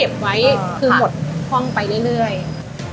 พอขับรถไปเรียกแท็กซี่